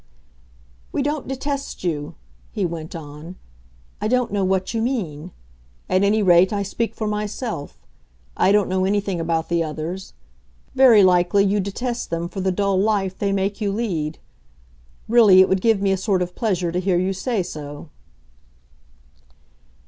"We don't detest you," he went on. "I don't know what you mean. At any rate, I speak for myself; I don't know anything about the others. Very likely, you detest them for the dull life they make you lead. Really, it would give me a sort of pleasure to hear you say so."